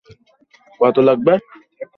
আমার মগজ ধোলাই করেছ।